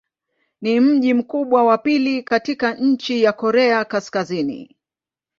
Ni mji mkubwa wa pili katika nchi wa Korea Kaskazini.